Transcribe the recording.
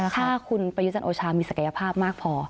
ถ้าคุณประยุจันทร์โอชามีศักยภาพมากพอ